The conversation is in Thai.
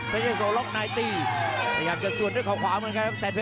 พยายามจะลอกลากครับ